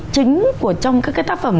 chính của trong các cái tác phẩm